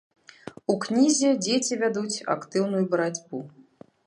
У кнізе дзеці вядуць актыўную барацьбу.